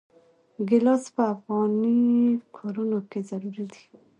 ګیلاس په افغاني کورونو کې ضروري دی.